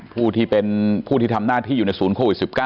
ผู้ที่ทำหน้าที่อยู่ในศูนย์โควิด๑๙